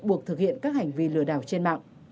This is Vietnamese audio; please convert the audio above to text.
buộc thực hiện các hành vi lừa đảo trên mạng